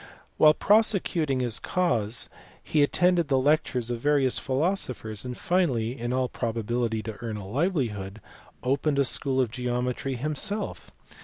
While prosecuting his cause he attended the lectures of various philosophers, and finally (in all probability to earn a livelihood) opened a school of geometry himself.